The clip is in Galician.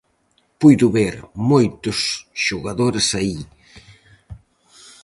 Puido ver moitos xogadores aí.